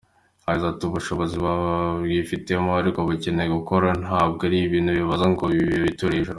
Yagize ati “Ubushobozi babwifitemo, ariko bakeneye gukora, ntabwo ari ibintu bizaza ngo bibiture hejuru.